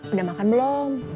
udah makan belum